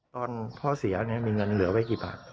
ตอนพ่อเสียมีเงินเหลือไว้กี่บาท